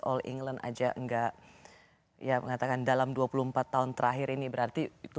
all england aja enggak ya mengatakan dalam dua puluh empat tahun terakhir ini berarti itu